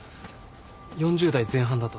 ４０代前半だと。